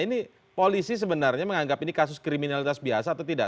ini polisi sebenarnya menganggap ini kasus kriminalitas biasa atau tidak